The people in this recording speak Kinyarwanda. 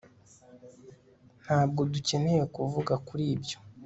ntabwo dukeneye kuvuga kuri ibyo